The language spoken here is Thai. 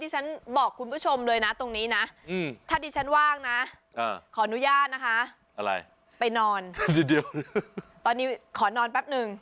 ขออนุญาตนะคะไปนอนตอนนี้ขอนอนแปปนึง